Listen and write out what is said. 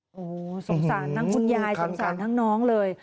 โอ้โหสงสารทั้งคุณยายสงสารทั้งน้องเลย